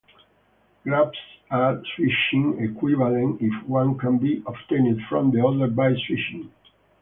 Graphs are switching equivalent if one can be obtained from the other by switching.